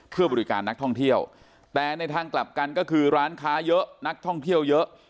เพื่อบริการนักท่องเที่ยวแต่ในทางกลับกันก็คือร้านค้าเยอะนักท่องเที่ยวเยอะ